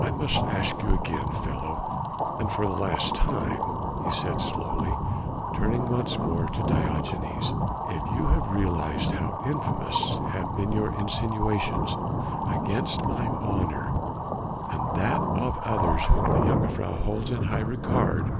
"I must ask you again, fellow and for the last time," he said slowly turning once more to Diogenes, "if you have realized how infamous have been your insinuations against mine honour, and that of others whom the jongejuffrouw holds in high regard?